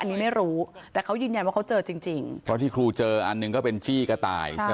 อันนี้ไม่รู้แต่เขายืนยันว่าเขาเจอจริงจริงเพราะที่ครูเจออันหนึ่งก็เป็นจี้กระต่ายใช่ไหม